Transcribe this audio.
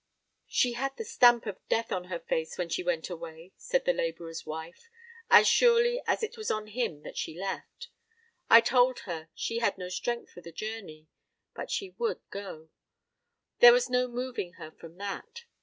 "She had the stamp of death on her face when she went away," said the labourer's wife, "as surely as it was on him that she left. I told her she had no strength for the journey; but she would go: there was no moving her from that.